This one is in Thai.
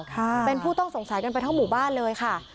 ค่ะเป็นผู้ต้องสงสัยกันไปทั้งหมู่บ้านเลยค่ะ